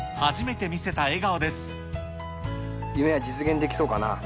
夢は実現できそうかな？